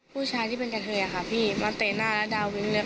ผู้ชายที่เป็นกะเทยค่ะพี่มาเตะหน้าแล้วดาววิ้งเลย